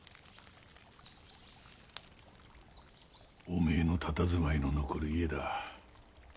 お前のたたずまいの残る家だ。